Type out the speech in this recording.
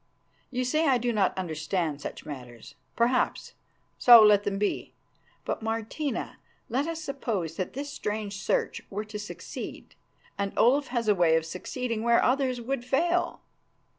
You say I do not understand such matters. Perhaps, so let them be. But, Martina, let us suppose that this strange search were to succeed, and Olaf has a way of succeeding where others would fail.